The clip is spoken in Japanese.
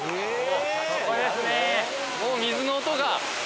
もう水の音が。